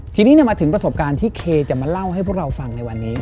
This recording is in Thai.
ทีนี้มาถึงประสบการณ์ที่เคจะมาเล่าให้พวกเราฟังในวันนี้